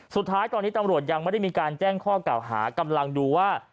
สุดท้ายตอนนี้ตำรวจยังไม่ได้มีการแจ้งข้อเก่าหากำลังดูว่า